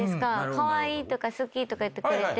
カワイイとか好きとか言ってくれて。